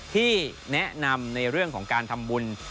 ที่แนะนำในเรื่องของการทำบุญ